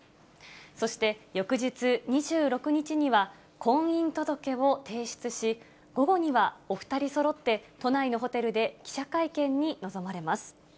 そして翌日２６日には、婚姻届を提出し、午後にはお２人そろって都内のホテルで記者会見に臨まれます。